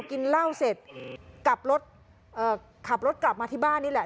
กินเหล้าเสร็จกลับรถขับรถกลับมาที่บ้านนี่แหละ